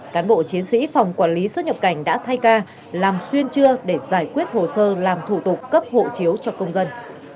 cán bộ chiến sĩ phòng quản lý xuất nhập cảnh đã thay ca làm xuyên trưa để giải quyết hồ sơ làm thủ tục cấp hộ chiếu cho công dân